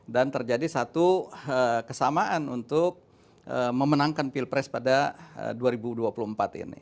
dan terjadi satu kesamaan untuk memenangkan pilpres pada dua ribu dua puluh empat ini